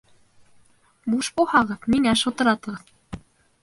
Буш булһағыҙ, миңә шылтыратығыҙ